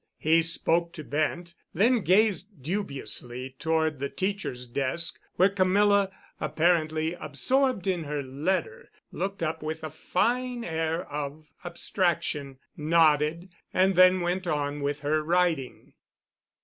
He spoke to Bent, then gazed dubiously toward the teacher's desk, where Camilla, apparently absorbed in her letter, looked up with a fine air of abstraction, nodded, and then went on with her writing.